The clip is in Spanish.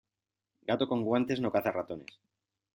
Gato con guantes, no caza ratones.